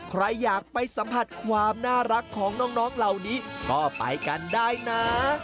ใครอยากไปสัมผัสความน่ารักของน้องเหล่านี้ก็ไปกันได้นะ